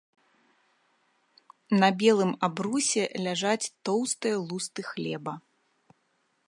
На белым абрусе ляжаць тоўстыя лусты хлеба.